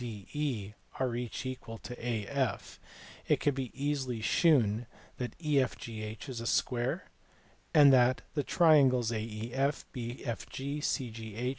and DE are each equal to AF, it can be easily shewn that EFGH is a square, and that the triangles AEF, BFG, CGH.